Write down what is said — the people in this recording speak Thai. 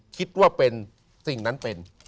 คิดว่าเป็นสิ่งนั้นเป็น